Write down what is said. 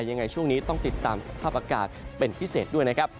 ยังไงช่วงนี้ต้องติดตามสภาพอากาศเป็นพิเศษด้วยนะครับ